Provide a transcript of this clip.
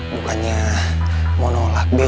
bukannya mau nolak be